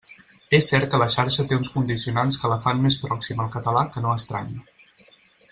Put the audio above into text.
És cert que la xarxa té uns condicionants que la fan més pròxima al català que no estranya.